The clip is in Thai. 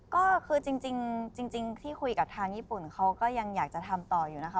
ก็คือจริงที่คุยกับทางญี่ปุ่นเขาก็ยังอยากจะทำต่ออยู่นะคะ